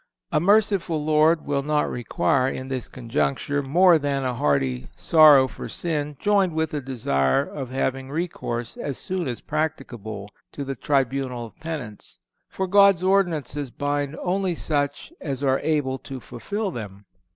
A merciful Lord will not require in this conjuncture more than a hearty sorrow for sin joined with a desire of having recourse as soon as practicable, to the tribunal of Penance; for God's ordinances bind only such as are able to fulfil them.